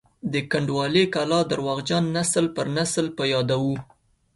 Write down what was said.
د کنډوالې کلا درواغجن نسل پر نسل په یادو وو.